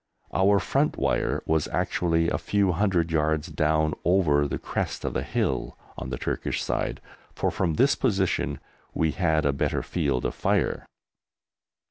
Our front wire was actually a few hundred yards down over the crest of the hill on the Turkish side, for from this position we had a better field of fire.